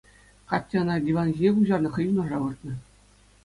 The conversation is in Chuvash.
Катя ӑна диван ҫине куҫарнӑ, хӑй юнашар выртнӑ.